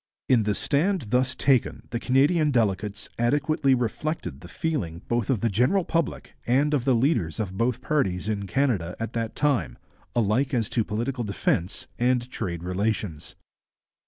In the stand thus taken the Canadian delegates adequately reflected the feeling both of the general public and of the leaders of both parties in Canada at that time, alike as to political defence and trade relations.